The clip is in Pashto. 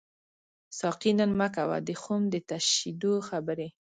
ساقي نن مه کوه د خُم د تشیدو خبري